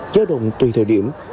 gia động tùy thời điểm